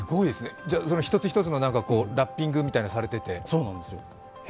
一つ一つのラッピングみたいなのがされてて。